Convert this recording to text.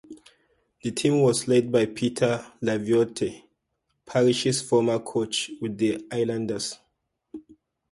The team was led by Peter Laviolette, Parrish's former coach with the Islanders.